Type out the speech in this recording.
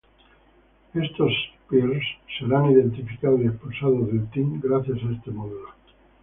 Estos "peers" serán identificados y expulsados del "team" gracias a este módulo.